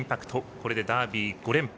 これでダービー５連覇。